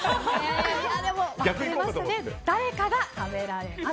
でも誰かが食べられます。